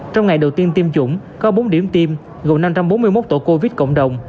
trong ngày đầu tiên tiêm chủng có bốn điểm tiêm gồm năm trăm bốn mươi một tổ covid cộng đồng